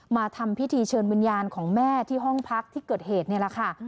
มาทำพิธีเชิญวิญญาณของแม่ที่ห้องพักที่เกิดเหตุนี่แหละค่ะ